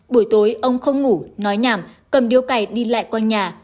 buổi tối ông không ngủ nói nhàm cầm điếu cày đi lại quanh nhà